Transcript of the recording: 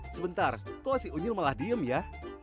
sebentar kok si unyil malah diem ya